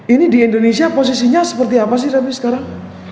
ini di indonesia posisinya seperti apa sih tapi sekarang